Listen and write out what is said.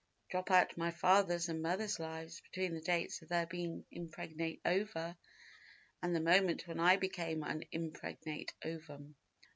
Drop out my father's and mother's lives between the dates of their being impregnate ova and the moment when I became an impregnate ovum.